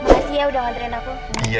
makasih ya udah ngantriin aku